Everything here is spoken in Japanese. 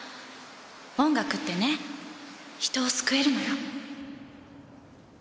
音楽ってね人を救えるのよ。